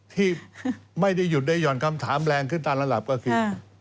ที่ไม่ได้หยุดได้หย่อนคำถามแรงขึ้นตามระดับก็คือ